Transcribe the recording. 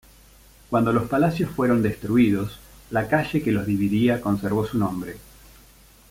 Cuando los palacios fueron destruidos, la calle que los dividía conservó su nombre.